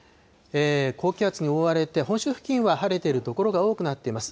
高気圧に覆われて、本州付近は晴れている所が多くなっています。